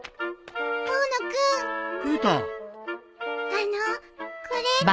あのこれ